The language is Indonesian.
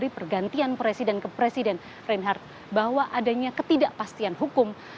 lentian presiden ke presiden reinhardt bahwa adanya ketidakpastian hukum